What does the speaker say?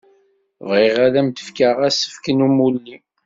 Bɣiɣ ad am-fkeɣ asefk n umulli.